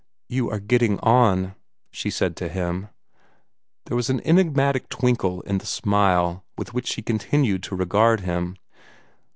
"You are getting on," she said to him. There was an enigmatic twinkle in the smile with which she continued to regard him.